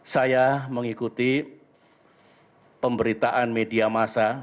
saya mengikuti pemberitaan media masa